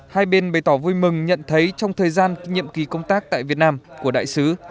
hai bên bày tỏ vui mừng nhận thấy trong thời gian kinh nghiệm kỳ công tác tại việt nam của đại sứ